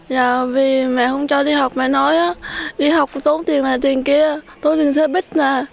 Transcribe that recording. vì mẹ không cho đi học mẹ nói đi học tốn tiền này tiền kia tốn tiền xe buýt nè